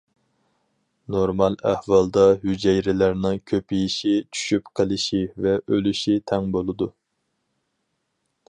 نورمال ئەھۋالدا ھۈجەيرىلەرنىڭ كۆپىيىشى، چۈشۈپ قېلىشى ۋە ئۆلۈشى تەڭ بولىدۇ.